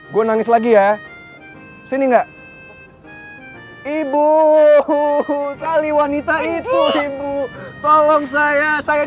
gua nangis lagi ya sini enggak ibu uh kali wanita itu ibu tolong saya saya